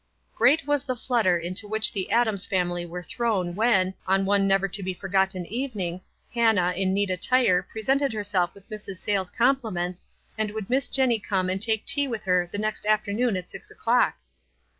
Great was the flutter into which the Adams family were thrown when, on one never to be forgotten evening, Hannah, in neat attire, pre sented herself with Mrs. Sayles' compliments; and would Miss Jenny come and take tea with her the next afternoon at six o'clock